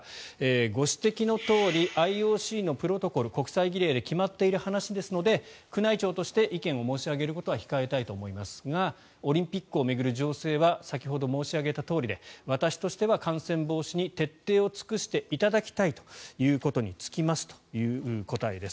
ご指摘のとおりＩＯＣのプロトコル国際儀礼で決まっている話なので宮内庁として意見を申し上げることは控えたいと思いますがオリンピックを巡る情勢は先ほど申し上げたとおりで私としては感染防止に徹底を尽くしていただきたいということに尽きますという答えです。